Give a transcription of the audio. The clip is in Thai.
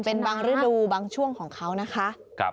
เป็นบางฤดูบางช่วงของเขานะคะ